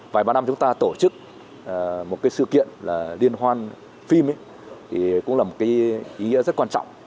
vài ba năm chúng ta tổ chức một sự kiện là liên hoan phim ấy thì cũng là một cái ý nghĩa rất quan trọng